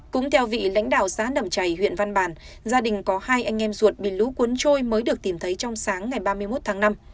cũng theo vị lãnh đạo xã nẩm chảy huyện văn bàn gia đình có hai anh em ruột bị lũ cuốn trôi mới được tìm thấy trong sáng ngày ba mươi một tháng năm